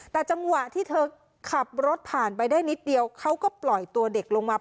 แต่จังหวะที่เธอขับรถผ่านไปได้นิดเดียวเขาก็ปล่อยตัวเด็กลงมา